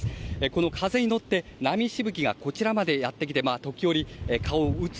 この風に乗って波しぶきがこちらまでやってきて時折、顔を打つ。